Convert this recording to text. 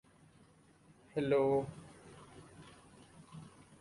He then transferred to East Tennessee State.